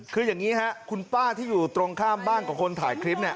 คืออย่างนี้ครับคุณป้าที่อยู่ตรงข้ามบ้านของคนถ่ายคลิปเนี่ย